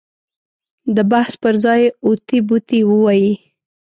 د بحث پر ځای اوتې بوتې ووایي.